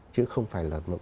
chứ không phải là